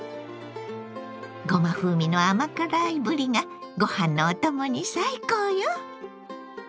ごま風味の甘辛いぶりがご飯のお供に最高よ！